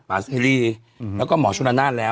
ปาไซดี้แล้วก็หมอชุนานานแล้ว